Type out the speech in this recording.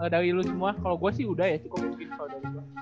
dari lo semua kalo gue sih udah ya sih kok miskin soal dari gue